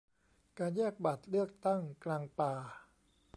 การแยกบัตรเลือกตั้งกลางป่า